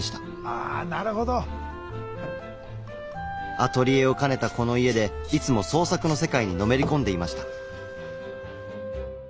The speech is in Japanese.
アトリエを兼ねたこの家でいつも創作の世界にのめりこんでいました。